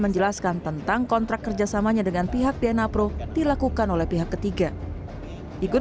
menjelaskan tentang kontrak kerjasamanya dengan pihak dna pro dilakukan oleh pihak ketiga ikut